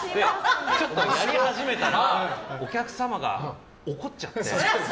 ちょっとやり始めたらお客様が怒っちゃって。